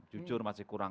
jujur masih kurang